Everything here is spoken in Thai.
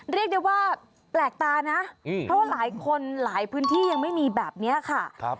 เรียกได้ว่าแปลกตานะเพราะว่าหลายคนหลายพื้นที่ยังไม่มีแบบนี้ค่ะ